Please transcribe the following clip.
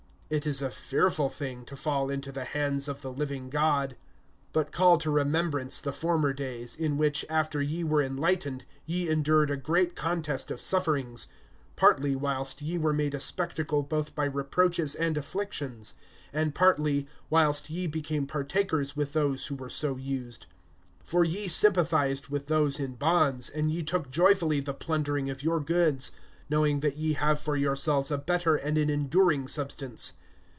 (31)It is a fearful thing to fall into the hands of the living God. (32)But call to remembrance the former days, in which, after ye were enlightened, ye endured a great contest of sufferings; (33)partly, whilst ye were made a spectacle both by reproaches and afflictions; and partly, whilst ye became partakers with those who were so used. (34)For ye sympathized with those in bonds, and ye took joyfully the plundering of your goods, knowing that ye have for yourselves a better and an enduring substance.